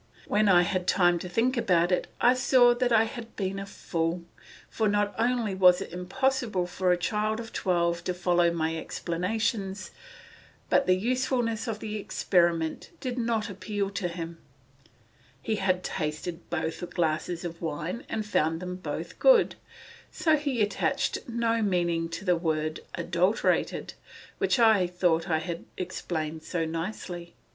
When I had time to think about it I saw I had been a fool, for not only was it impossible for a child of twelve to follow my explanations, but the usefulness of the experiment did not appeal to him; he had tasted both glasses of wine and found them both good, so he attached no meaning to the word "adulterated" which I thought I had explained so nicely.